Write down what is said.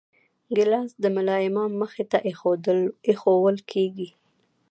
ګیلاس د ملا امام مخې ته ایښوول کېږي.